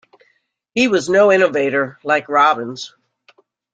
He was no innovator, like Robbins.